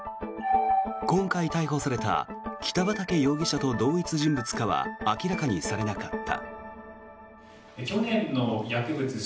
今回逮捕された北畠容疑者と同一人物かは明らかにされなかった。